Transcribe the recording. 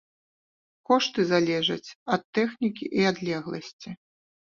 Кошты залежыць ад тэхнікі і адлегласці.